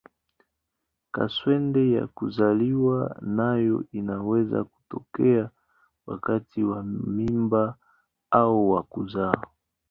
Kaswende ya kuzaliwa nayo inaweza kutokea wakati wa mimba au wa kuzaa.